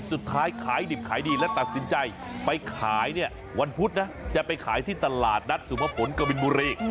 สุดท้ายขายดิบขายดีและตัดสินใจไปขายเนี่ยวันพุธนะจะไปขายที่ตลาดนัดสุภพลกบินบุรี